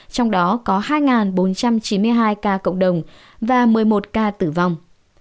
trong đó có hai bốn trăm chín mươi hai ca cộng đồng và một mươi một ca tử vong